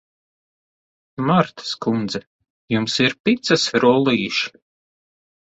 Martas kundze, jums ir picas rullīši?